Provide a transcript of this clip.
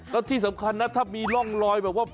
แล้วที่สำคัญนะถ้ามีร่องรอยแบบว่า